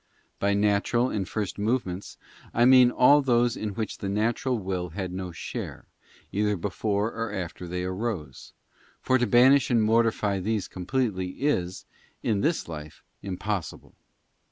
By natural and first movements I mean all those in which the natural will had no share, either before or after they arose: for to banish and mortify these completely is, in this life, impossible.